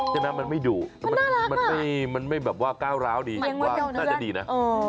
ดังนั้นมันไม่ดูมันไม่ว่าก้าวร้าวดีน่าจะดีนะ